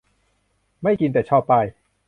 ไม่กิน แต่ชอบป้าย